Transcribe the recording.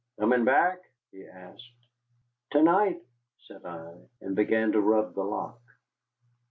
"Comin' back?" he asked. "To night," said I, and began to rub the lock.